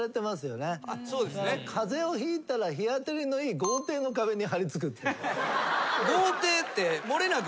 「風邪をひいたら日当たりのいい豪邸の壁に張り付く」って。